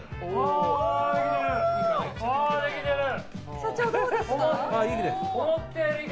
社長、どうですか？